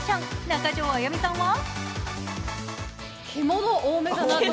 中条あやみさんは？